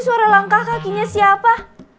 suara langkah kakinya siapa